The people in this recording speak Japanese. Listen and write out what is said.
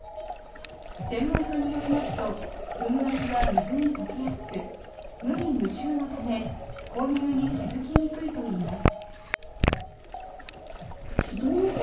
専門家によりますと粉末は水に溶けやすく無味無臭のため混入に気付きにくいといいます。